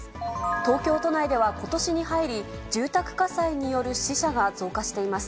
東京都内ではことしに入り、住宅火災による死者が増加しています。